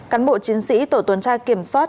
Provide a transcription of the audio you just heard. cán bộ chiến sĩ tổ tuần tra kiểm soát